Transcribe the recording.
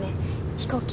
飛行機。